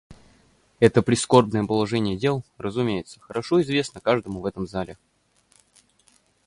Это прискорбное положение дел, разумеется, хорошо известно каждому в этом зале.